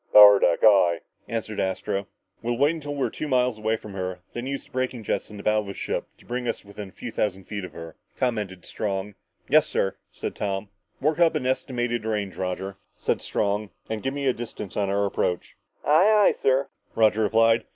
"Power deck, aye," answered Astro. "We'll wait until we're about two miles away from her and then use our braking jets in the bow of the ship to bring us within a few thousand feet of her," commented Strong. "Yes, sir," said Tom. "Work up an estimated range, Roger," said Strong, "and give me a distance on our approach." "Aye, aye, sir," Roger replied.